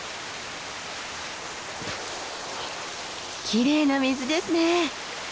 きれいな水ですね。